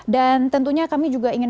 dan tentunya kami juga ingin